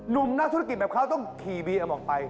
นักธุรกิจแบบเขาต้องขี่บีเอ็มออกไป